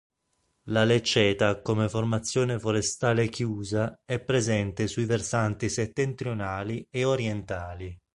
La lecceta come formazione forestale chiusa è presente sui versanti settentrionali e orientali.